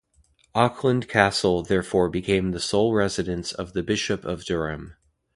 Auckland Castle therefore became the sole residence of the Bishop of Durham.